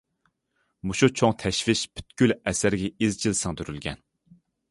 مۇشۇ چوڭ تەشۋىش پۈتكۈل ئەسەرگە ئىزچىل سىڭدۈرۈلگەن.